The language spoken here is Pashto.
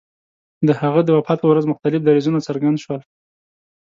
د هغه د وفات په ورځ مختلف دریځونه څرګند شول.